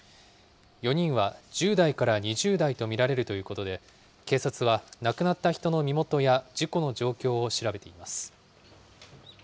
４人は１０代から２０代と見られるということで、警察は亡くなった人の身元や事故の状況を調べています。